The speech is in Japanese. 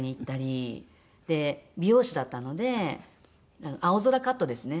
で美容師だったので青空カットですね